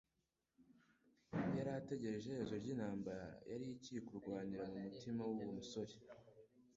yari ategereje iherezo ry'intambara yari iri kurwanira mu mutima w'uwo musore,